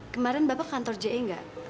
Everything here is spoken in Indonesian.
kemarin bapak ke kantor je enggak